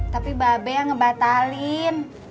tapi mbak be yang ngebatalin